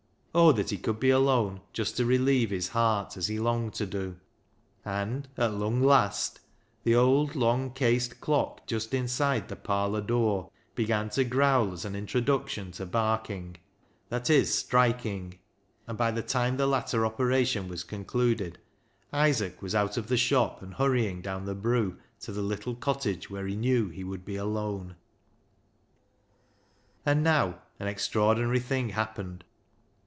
Oh that he could be alone, just to relieve his heart, as he longed to do ! And "at lung last" the old long cased clock just inside the parlour door began to growl as an introduction to barking — that is striking ; and by the time the latter operation was con cluded, Isaac was out of the shop and hurrying down the " broo " to the little cottage where he knew he would be alone. And now an extraordinary thing happened.